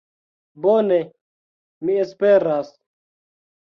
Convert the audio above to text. Bone, mi esperas.